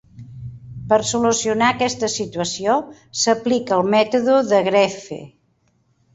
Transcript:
Per solucionar aquesta situació, s'aplica el mètode de Graeffe.